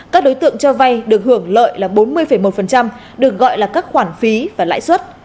các đối tượng cho vay được hưởng lợi là bốn mươi một được gọi là các khoản phí và lãi suất